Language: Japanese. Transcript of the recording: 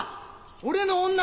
「俺の女」